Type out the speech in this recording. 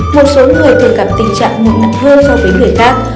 một số người thường gặp tình trạng mụn nặng hơn so với người khác